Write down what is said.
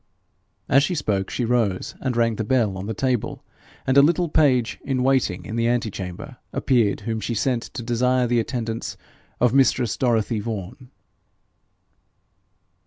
As she spoke she rose and rang the bell on the table, and a little page, in waiting in the antechamber, appeared, whom she sent to desire the attendance of mistress Dorothy Vaughan.